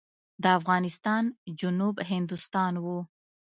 د افغانستان جنوب هندوستان و.